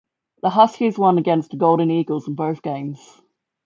The Huskies won against the Golden Eagles in both games.